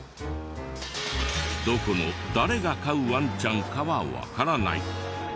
どこの誰が飼うワンちゃんかはわからない。